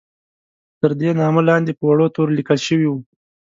تر دې نامه لاندې په وړو تورو لیکل شوي وو.